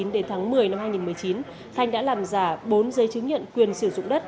đến tháng một mươi năm hai nghìn một mươi chín thanh đã làm giả bốn giấy chứng nhận quyền sử dụng đất